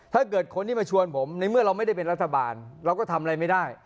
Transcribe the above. ถ้าเกิดคนที่มาชวนผมในเมื่อเราไม่ได้เป็นรัฐบาลเราก็ทำอะไรไม่ได้